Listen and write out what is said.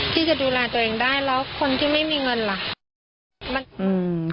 ที่จะดูแลตัวเองได้แล้วคนที่ไม่มีเงินล่ะ